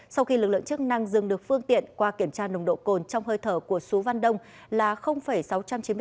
sau khi lực lượng chức năng dừng được phương tiện qua kiểm tra nồng độ cồn trong hơi thở của sú văn đông là sáu trăm chín mươi sáu mg trên lít khí thở